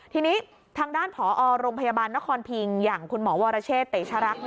ทีนี้ทางด้านผอโรงพยาบาลนครพิงอย่างคุณหมอวรเชษเตชรัก